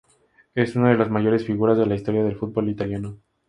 Es una de las mayores figuras de la historia del fútbol italiano.